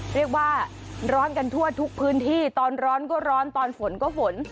เรียกว่าร้อนกันทั่วทุกพื้นที่ตอนร้อนก็ร้อนตอนฝนก็ฝน